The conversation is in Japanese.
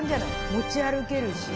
持ち歩けるし。